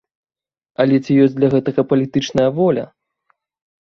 Але ці ёсць для гэтага палітычная воля?